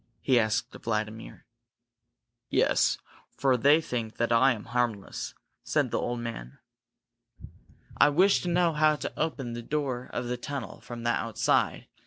he asked Vladimir. "Yes, for they think that I am harmless," said the old man. "I wish to know how to open the door of the tunnel from the outside," said Fred.